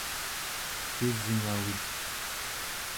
tusngavik